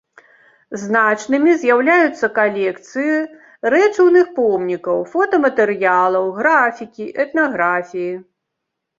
Значнымі з'яўляюцца калекцыі рэчыўных помнікаў, фотаматэрыялаў, графікі, этнаграфіі.